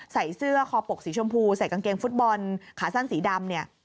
ใส่เสื้อคอปกสีชมพูใส่กางเกงฟุตบอลขาสั้นสีดำเนี่ย